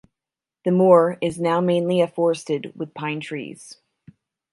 The moor is now mainly afforested with pine trees.